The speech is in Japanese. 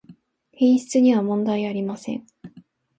品質にはもんだいありません